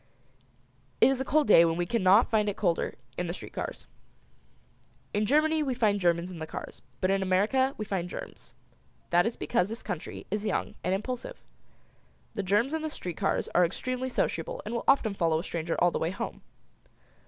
It is a cold day when we cannot find it colder in the street cars. In Germany we find Germans in the cars, but in America we find germs. That is because this country is young and impulsive. The germs in the street cars are extremely sociable and will often follow a stranger all the way home.